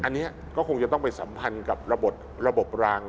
อันนี้ก็คงจะต้องไปสัมพันธ์กับระบบราง